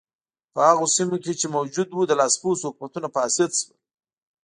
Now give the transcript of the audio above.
په هغو سیمو کې چې موجود و د لاسپوڅو حکومتونو فاسد شول.